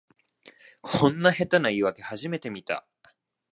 こんな下手な言いわけ初めて見た